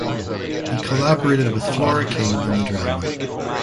He collaborated with Flora King in the drama.